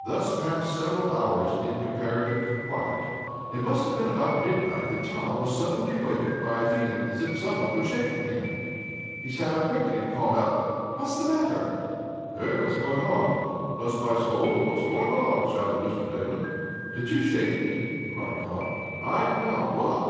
Thus passed several hours in comparative quiet. It must have been about midnight that Tom was suddenly awakened by a feeling as if someone was shaking him. He sat up quickly and called out: "What's the matter?" "Eh? What's that? Bless my soul! What's going on?" shouted Mr. Damon. "Did you shake me?" inquired Tom. "I? No. What